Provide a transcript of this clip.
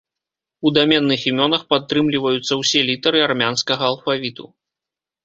У даменных імёнах падтрымліваюцца ўсе літары армянскага алфавіту.